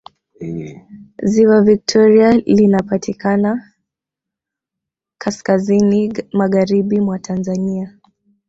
Ziwa Viktoria linapatikanankaskazini Magharibi mwa Tanzania